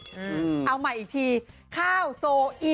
ข้าวโซชิเอาใหม่อีกทีข้าวโซอิ